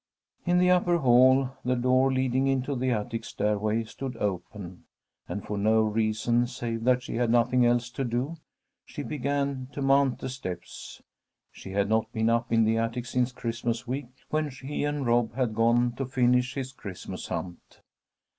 In the upper hall the door leading into the attic stairway stood open, and for no reason save that she had nothing else to do, she began to mount the steps. She had not been up in the attic since Christmas week, when she and Rob had gone to finish his Christmas hunt.